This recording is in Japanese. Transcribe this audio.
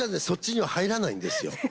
そっちには入らないんですよ。